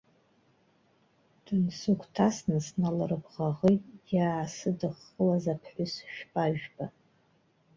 Дынсыгәҭасны сналырбӷаӷеит иаасыдыххылаз аԥҳәыс шәпа-жәпа.